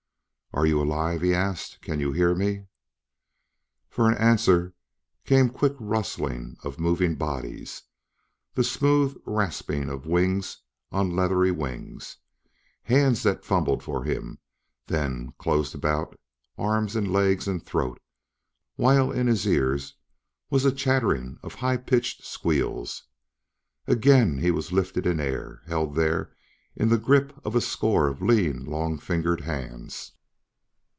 "Are you alive?" he asked. "Can you hear me?" For answer came quick rustling of moving bodies, the smooth rasping of wings on leathery wings, hands that fumbled for him, then closed about arms and legs and throat, while in his ears was a chattering of high pitched squeals. Again he was lifted in air, held there in the grip of a score of lean, long fingered hands.